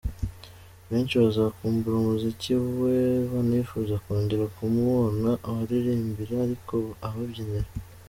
Benshi bazakumbura umuziki we banifuze kongera kumubona abaririmbira ariko ababyinira.